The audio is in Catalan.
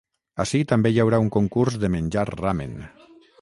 Ací també hi haurà un concurs de menjar ramen.